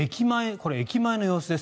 これ、駅前の様子です。